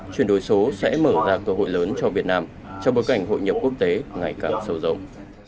chuyển đổi số sẽ mở ra cơ hội lớn cho việt nam trong bối cảnh hội nhập quốc tế ngày càng sâu rộng